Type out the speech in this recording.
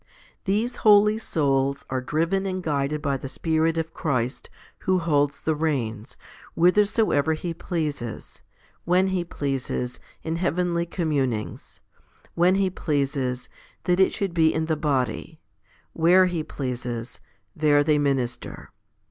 These holy souls are driven and guided by the Spirit of Christ, who holds the reins, whithersoever He pleases when He pleases, in heavenly communings ; when He pleases, that it should be in the body ; where He pleases, there they minister.